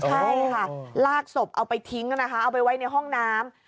ใช่ค่ะลากศพเอาไปทิ้งนะคะเอาไปไว้ในห้องน้ำ